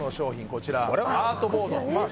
こちらアートボードああ